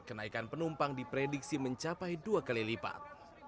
kenaikan penumpang diprediksi mencapai dua kali lipat